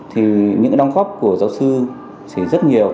thì những đóng góp của giáo sư thì rất nhiều